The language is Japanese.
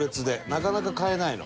なかなか買えないの。